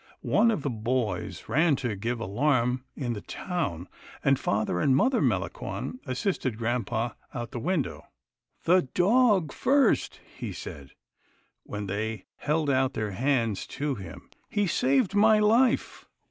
One of the boys ran to give the 244 'TILDA JANE'S ORPHANS alarm in the town, and father and mother Melan gon assisted grampa out the window. " The dog first," he said, when they held out their hands to him, " he saved my life."